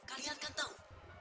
kalian kan tau